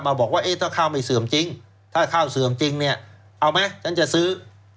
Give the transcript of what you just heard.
บอกว่าเอ๊ะถ้าข้าวไม่เสื่อมจริงถ้าข้าวเสื่อมจริงเนี่ยเอาไหมฉันจะซื้อ